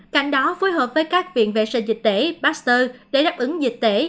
cảnh đó phối hợp với các viện vệ sinh dịch tễ baxter để đáp ứng dịch tễ